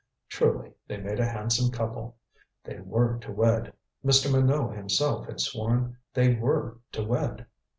Truly, they made a handsome couple. They were to wed. Mr. Minot himself had sworn they were to wed.